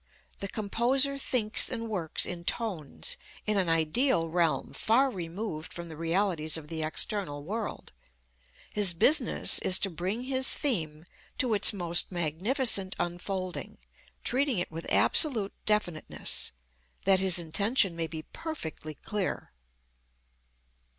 The composer thinks and works in tones, in an ideal realm, far removed from the realities of the external world. His business is to bring his theme to its most magnificent unfolding, treating it with absolute definiteness, that his intention may be perfectly clear.